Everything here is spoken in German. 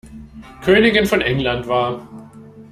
Königin von England war.